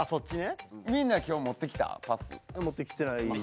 持ってきてないですね。